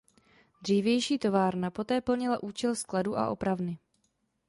Dřívější továrna poté plnila účel skladu a opravny.